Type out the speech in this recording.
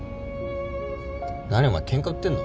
何お前ケンカ売ってんの？